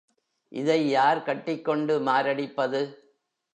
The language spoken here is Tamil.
இதை யார் கட்டிக்கொண்டு மாரடிப்பது?